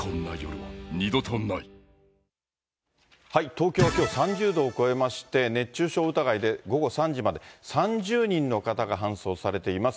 東京はきょう、３０度を超えまして熱中症疑いで午後３時まで、３０人の方が搬送されています。